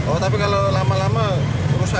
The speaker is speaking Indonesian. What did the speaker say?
oh tapi kalau lama lama rusak juga ya